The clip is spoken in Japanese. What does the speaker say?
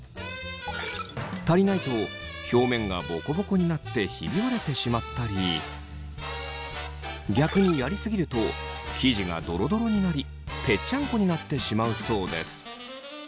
足りないと表面がボコボコになってひび割れてしまったり逆にやり過ぎると生地がドロドロになりぺっちゃんこになってしまうそうです。